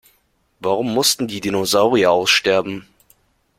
Warum mussten die Dinosaurier aussterben?